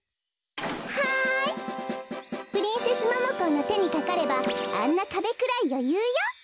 はいプリンセスモモコーのてにかかればあんなかべくらいよゆうよ。